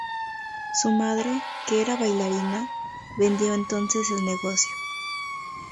Su madre, que era bailarina, vendió entonces el negocio.